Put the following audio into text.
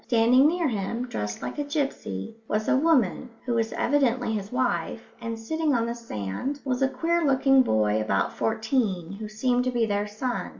Standing near him, dressed like a gipsy, was a woman, who was evidently his wife, and sitting on the sand was a queer looking boy about fourteen who seemed to be their son.